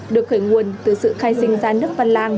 được khởi nguồn từ sự khai sinh ra nước văn lang